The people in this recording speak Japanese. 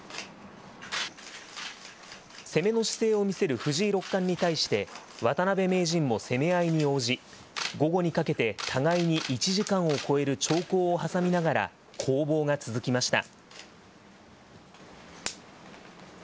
攻めの姿勢を見せる藤井六冠に対して、渡辺名人も攻め合いに応じ、午後にかけて互いに１時間を超える長考を挟みながら、攻防が続きました。